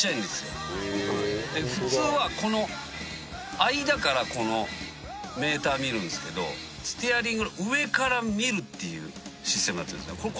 で普通はこの間からこのメーター見るんですけどステアリングの上から見るっていうシステムになってんですよね。